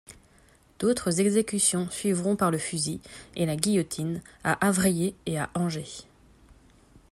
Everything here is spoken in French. D'autres exécutions suivront par le fusil et la guillotine à Avrillé et à Angers.